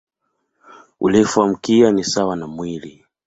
Urefu wa mkia ni sawa na mwili.